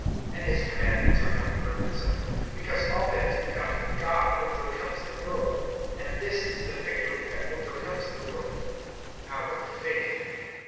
And his commandments are not burdensome; (4)because all that is begotten of God overcomes the world; and this is the victory that overcomes the world, our faith.